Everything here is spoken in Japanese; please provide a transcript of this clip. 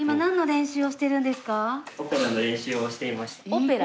オペラ？